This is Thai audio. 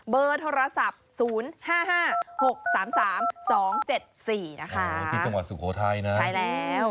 เบอร์โทรศัพท์๐๕๕๖๓๓๒๗๔นะคะที่จังหวัดสุโขทัยนะใช่แล้ว